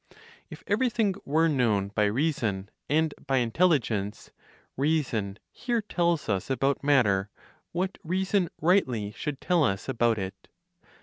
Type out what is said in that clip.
If everything were known by reason and by intelligence, reason here tells us about matter what reason rightly should tell us about it.